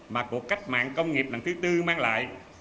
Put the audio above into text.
mà cuộc cách mạng công nghiệp lần thứ tư mang lại